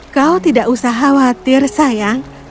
kau tidak usah khawatir sayang